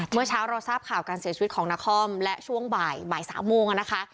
เมื่อเช้าเราทราบข่าวการเสียชีวิตของนครและช่วงบ่าย๓โมงนะคะ